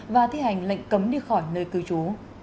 và thi hành lệnh cấm đi khỏi nơi cư trú